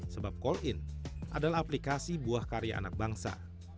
sebab call in adalah aplikasi buah karya anak bangsa